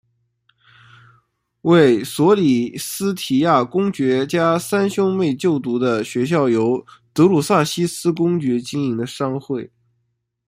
为索利斯提亚公爵家三兄妹就读的学校由德鲁萨西斯公爵经营的商会。